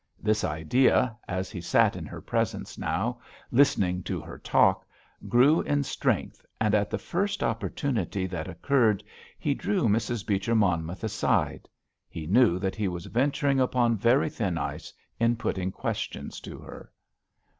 This idea, as he sat in her presence now, listening to her talk, grew in strength, and at the first opportunity that occurred, he drew Mrs. Beecher Monmouth aside. He knew that he was venturing upon very thin ice in putting questions to her.